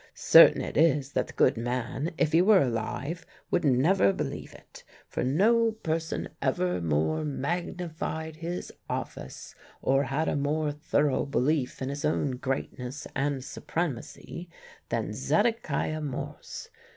Certain it is that the good man, if he were alive, would never believe it; for no person ever more magnified his office, or had a more thorough belief in his own greatness and supremacy, than Zedekiah Morse.